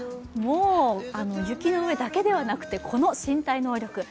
雪の上だけではなくて、この身体能力。